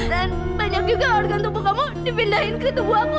dan banyak juga organ tubuh kamu dipindahin ke tubuh aku